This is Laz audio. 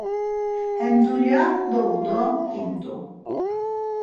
Hem dulya dovu do imt̆u.